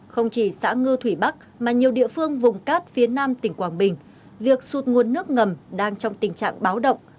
không chỉ xã ngư thủy bắc mà nhiều địa phương vùng cát phía nam tỉnh quảng bình việc sụt nguồn nước ngầm đang trong tình trạng báo động